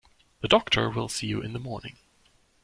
The doctor will see you in the morning.